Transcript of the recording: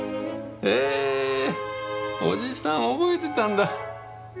えおじさん覚えてたんだ。